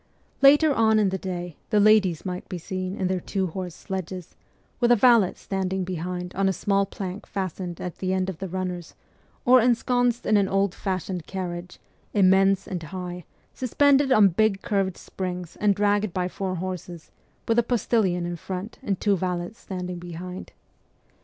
Later on in the day the ladies might be seen in their two horse sledges, with a valet standing behind on a small plank fastened at the end of the runners, or ensconced in an old fashioned carriage, immense and high, suspended on big curved springs and dragged by four horses, with a postillion in front and two valets standing behind.